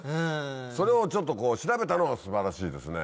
それを調べたのが素晴らしいですね。